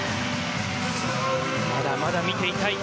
まだまだ見ていたい。